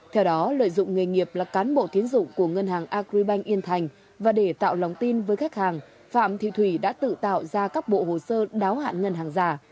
theo đó lợi dụng nghề nghiệp là cán bộ tiến dụng của ngân hàng agribank yên thành và để tạo lòng tin với khách hàng phạm thị thủy đã tự tạo ra các bộ hồ sơ đáo hạn ngân hàng giả